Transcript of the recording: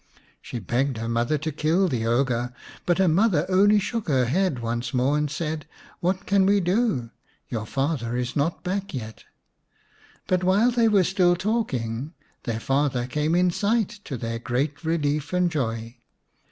She begged her mother to kill the ogre, but her mother only shook her head once more and said, " What can we do ? Your father is not back yet." But while they were still talking, their father came in sight, to their great relief and joy.